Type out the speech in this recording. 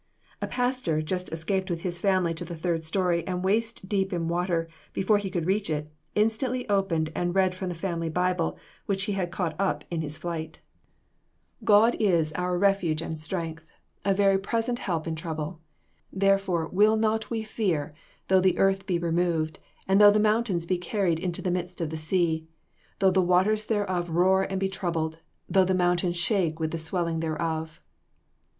A pastor, just escaped with his family to the third story, and waist deep in water, before he could reach it, instantly opened and read from the family Bible, which he had caught up in his flight: "God is our refuge and strength, a very present help in trouble; therefore, will not we fear, though the earth be removed, and though the mountains be carried into the midst of the sea; though the waters thereof roar and be troubled; though the mountains shake with the swelling thereof."